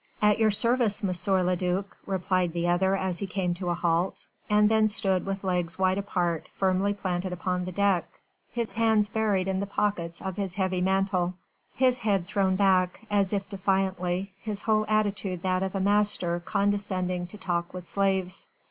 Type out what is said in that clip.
"At your service, M. le duc," replied the other as he came to a halt, and then stood with legs wide apart firmly planted upon the deck, his hands buried in the pockets of his heavy mantle, his head thrown back, as if defiantly, his whole attitude that of a master condescending to talk with slaves.